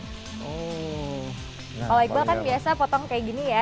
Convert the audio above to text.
kalau iqbal kan biasa potong kayak gini ya